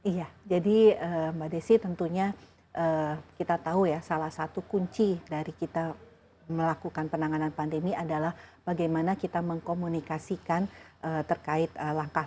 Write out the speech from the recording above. iya jadi mbak desi tentunya kita tahu ya salah satu kunci dari kita melakukan penanganan pandemi adalah bagaimana kita mengkomunikasikan terkait langkah